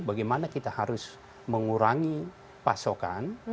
bagaimana kita harus mengurangi pasokan